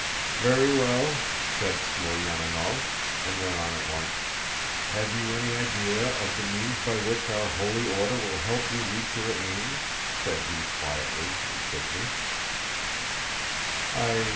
"Very well," said Smolyanínov, and went on at once: "Have you any idea of the means by which our holy Order will help you to reach your aim?" said he quietly and quickly.